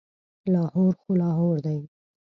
لاهور خو لاهور دی.